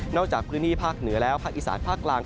จากพื้นที่ภาคเหนือแล้วภาคอีสานภาคกลาง